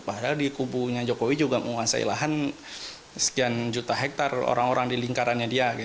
padahal di kubunya jokowi juga menguasai lahan sekian juta hektare orang orang di lingkarannya dia